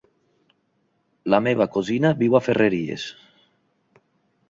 La meva cosina viu a Ferreries.